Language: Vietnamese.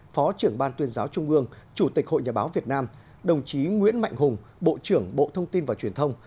phó trưởng ban tuyên giáo trung ương chủ tịch hội nhà báo việt nam đồng chí nguyễn mạnh hùng bộ trưởng bộ thông tin và truyền thông